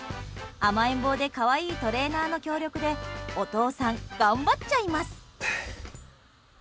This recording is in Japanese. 甘えん坊で可愛いトレーナーの協力でお父さん、頑張っちゃいます。